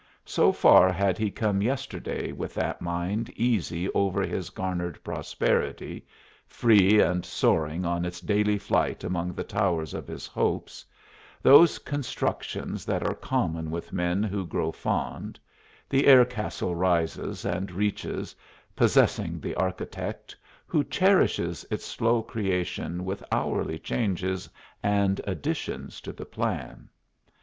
So far had he come yesterday with that mind easy over his garnered prosperity, free and soaring on its daily flight among the towers of his hopes those constructions that are common with men who grow fond: the air castle rises and reaches, possessing the architect, who cherishes its slow creation with hourly changes and additions to the plan.